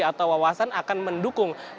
atau wawasan akan mendukung